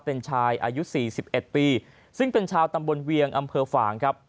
เป็นชายอายุ๔๑ปีซึ่งเป็นชาวตำบลเวียงอำเภอฝ่างครับ